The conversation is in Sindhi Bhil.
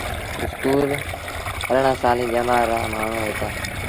اسڪول ارڙآن سآليٚݩ ڄمآر رآ مآڻهوٚݩ هوئيٚتآ۔